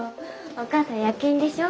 お母さん夜勤でしょ？